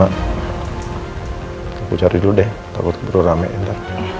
aku cari dulu deh takut perlu rame ntar